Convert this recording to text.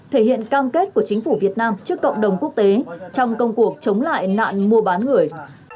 thể hiện cam kết của chính phủ việt nam trước cộng đồng quốc tế trong công cuộc chống lại nạn mua bán người